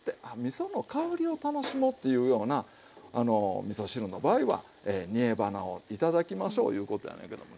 その香りを楽しもうっていうようなみそ汁の場合は煮えばなを頂きましょういうことやねんけどもね。